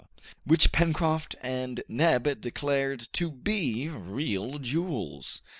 which Pencroft and Neb declared to be real jewels.